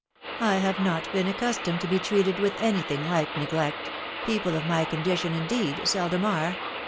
I have not been accustomed to be treated with any thing like neglect .... people of my condition, indeed, seldom are."